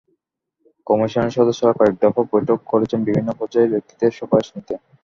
কমিশনের সদস্যরা কয়েক দফা বৈঠকও করেছেন বিভিন্ন পর্যায়ের ব্যক্তিদের সুপারিশ নিতে।